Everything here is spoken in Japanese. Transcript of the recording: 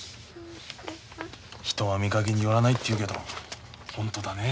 人は見かけによらないって言うけどほんとだね。